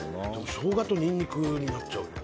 ショウガとニンニクになっちゃうんだよ。